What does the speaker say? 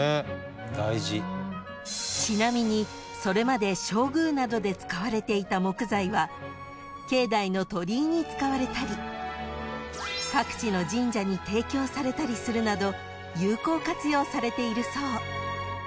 ［ちなみにそれまで正宮などで使われていた木材は境内の鳥居に使われたり各地の神社に提供されたりするなど有効活用されているそう］